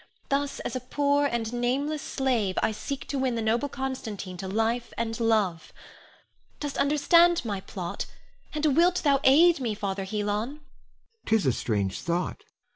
Thus, as a poor and nameless slave, I seek to win the noble Constantine to life and love. Dost understand my plot, and wilt thou aid me, Father Helon? Helon. 'Tis a strange thought!